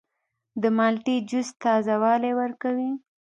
د مالټې جوس تازه والی ورکوي.